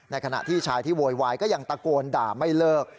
ขณะที่ชายที่โวยวายก็ยังตะโกนด่าไม่เลิก